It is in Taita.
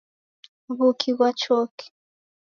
Wuki ghwa choki.